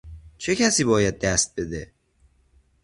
چه کسی باید دست بده؟